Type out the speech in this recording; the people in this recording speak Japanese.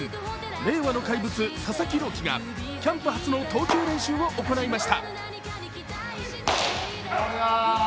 令和の怪物・佐々木朗希がキャンプ初の投球練習を行いました。